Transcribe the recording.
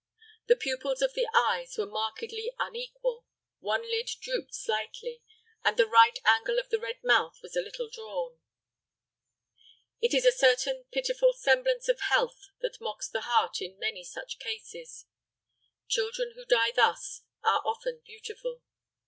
The pupils of the eyes were markedly unequal; one lid drooped slightly, and the right angle of the red mouth was a little drawn. It is a certain pitiful semblance of health that mocks the heart in many such cases. Children who die thus are often beautiful.